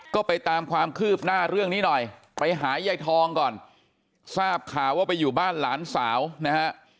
ก็ไปตามความคืบหน้าเรื่องนี้หน่อยไปหายายทองก่อนทราบข่าวว่าไปอยู่บ้านหลานสาวนะฮะ